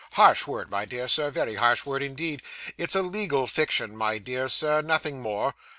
'Harsh word, my dear sir, very harsh word indeed. It's a legal fiction, my dear sir, nothing more.